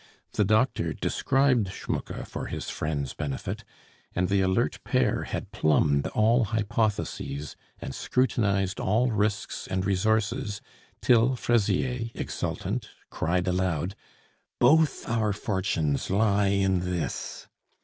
The doctor described Schmucke for his friend's benefit, and the alert pair had plumbed all hypotheses and scrutinized all risks and resources, till Fraisier, exultant, cried aloud, "Both our fortunes lie in this!"